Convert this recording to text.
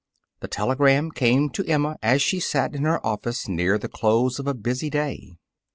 The telegram came to Emma as she sat in her office near the close of a busy day.